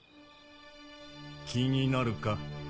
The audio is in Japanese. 気になるか？